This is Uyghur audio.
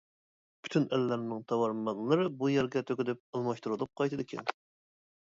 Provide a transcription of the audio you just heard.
پۈتۈن ئەللەرنىڭ تاۋار ماللىرى بۇ يەرگە تۆكۈلۈپ، ئالماشتۇرۇلۇپ قايتىدىكەن.